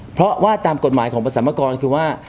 เพราะว่าตามกฎหมายของประสามกรคือว่า